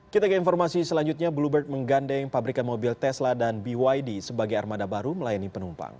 kita ke informasi selanjutnya bluebird menggandeng pabrikan mobil tesla dan byd sebagai armada baru melayani penumpang